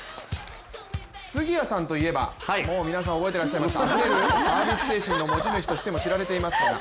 杉谷さんといえばもう皆さん、覚えてらっしゃいますかサービス精神の持ち主と言われていますから。